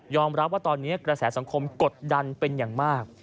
รับว่าตอนนี้กระแสสังคมกดดันเป็นอย่างมาก